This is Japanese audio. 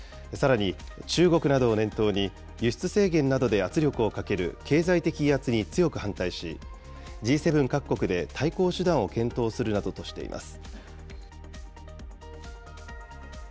さらに、中国などを念頭に輸出制限などで圧力をかける経済的威圧に強く反対し、Ｇ７各国で対抗手段を検討するなどとしています。